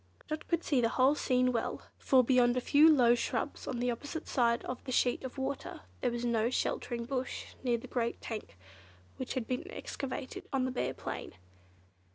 Dot could see the whole scene well, for beyond a few low shrubs on the opposite side of the sheet of water, there was no sheltering bush near the great tank which had been excavated on the bare plain.